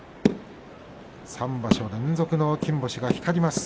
３場所連続の金星が光ります